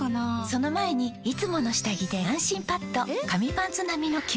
その前に「いつもの下着で安心パッド」え？！